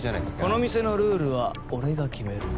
この店のルールは俺が決める